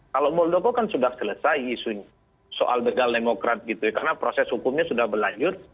kalau muldoko kan sudah selesai isu soal begal demokrat gitu ya karena proses hukumnya sudah berlanjut